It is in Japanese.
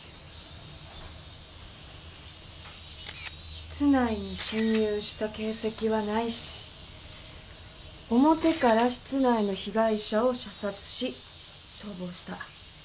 室内に侵入した形跡はないし表から室内の被害者を射殺し逃亡した。